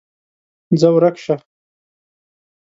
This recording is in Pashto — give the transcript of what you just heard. ځه ورک شه!